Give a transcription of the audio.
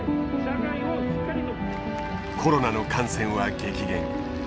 コロナの感染は激減。